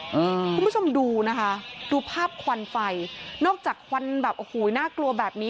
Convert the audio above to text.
คุณผู้ชมดูนะคะดูภาพควันไฟนอกจากควันแบบโอ้โหน่ากลัวแบบนี้